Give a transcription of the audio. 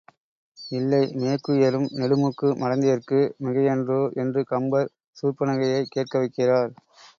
இல்லை, மேக்குயரும் நெடுமூக்கு மடந்தையர்க்கு மிகையன்றோ? என்று கம்பர் சூர்ப்பனகையைக் கேட்க வைக்கிறார்.